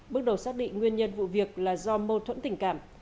bước đầu xác định nguyên nhân vụ việc là do mâu thuẫn tình cảm